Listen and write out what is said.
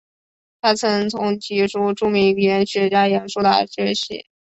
他曾从其叔著名语言学家杨树达学习。